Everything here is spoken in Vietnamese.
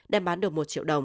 đem bán được một triệu đồng